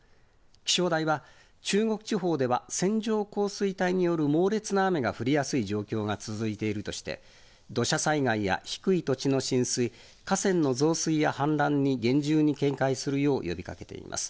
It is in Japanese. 気象台は、中国地方では線状降水帯による猛烈な雨が降りやすい状況が続いているとして、土砂災害や低い土地の浸水、河川の増水や氾濫に厳重に警戒するよう呼びかけています。